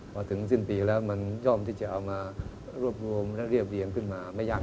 พอถึงสิ้นปีแล้วมันย่อมที่จะเอามารวบรวมและเรียบเรียงขึ้นมาไม่ยาก